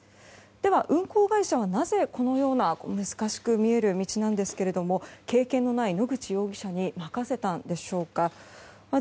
では、運行会社はなぜ、このような難しく見える道なんですけれども経験のない野口容疑者に任せたんでしょうか。